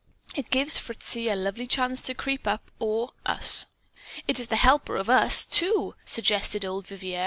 It gives Fritzy a lovely chance to creep up or, us. It " "It is the helper of US, too," suggested old Vivier.